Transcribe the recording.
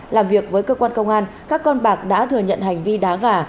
làm việc với cơ quan công an các con bạc đã thừa nhận hành vi đá gà